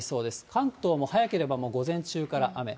関東も早ければもう、午前中から雨。